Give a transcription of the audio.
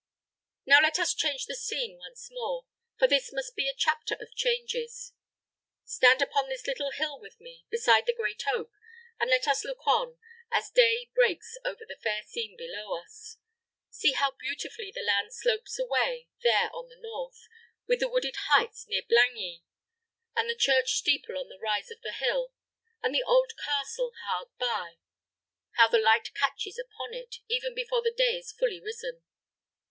Now let us change the scene once more, for this must be a chapter of changes. Stand upon this little hill with me, beside the great oak, and let us look on, as day breaks over the fair scene below us. See how beautifully the land slopes away there on the north, with the wooded heights near Blangy, and the church steeple on the rise of the hill, and the old castle hard by. How the light catches upon it, even before the day is fully risen!